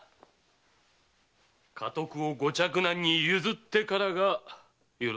家督をご嫡男に譲ってからがよろしいのでは？